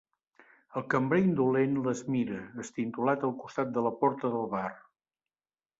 El cambrer indolent les mira, estintolat al costat de la porta del bar.